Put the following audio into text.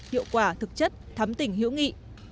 hiệu quả thực chất thắm tỉnh hữu nghị